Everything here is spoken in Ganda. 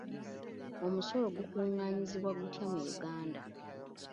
Omusolo gukungaanyizibwa gutya mu Uganda?